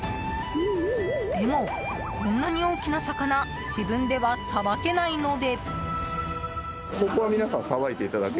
でも、こんなに大きな魚自分ではさばけないので。